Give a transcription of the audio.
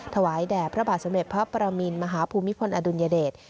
ถวายแด่พระบาทสมเด็จพระประมินมหาภูมิพลอดุลยเดช